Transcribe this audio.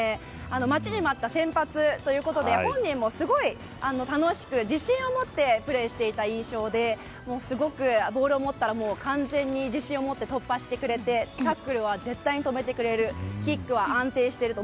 待ちに待った先発ということで本人もすごい楽しく自信を持ってプレーしていた印象ですごくボールを持ったら完全に自信を持って突破してくれてタックルは絶対に止めてくれるキックは安定していると。